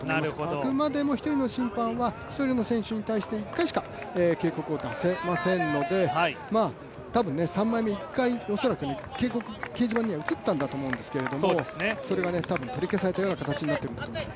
あくまでも１人の審判は、１人の選手に対して１回しか警告を出せませんので多分３枚目、恐らく掲示板には映ったんだと思うんですけどそれが多分取り消されたような形になっているんだと思います。